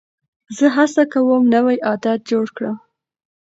زه هڅه کوم نوی عادت جوړ کړم.